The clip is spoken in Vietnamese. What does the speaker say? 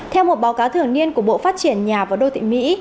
theo một báo cáo thường niên của bộ phát triển nhà và đô thị mỹ